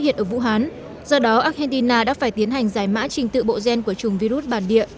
hiện ở vũ hán do đó argentina đã phải tiến hành giải mã trình tự bộ gen của chủng virus bản địa